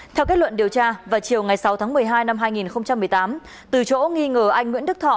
theo kết luận điều tra vào chiều ngày sáu tháng một mươi hai năm hai nghìn một mươi tám từ chỗ nghi ngờ anh nguyễn đức thọ